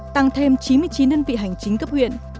tăng thêm chín mươi chín đơn vị hành chính cấp huyện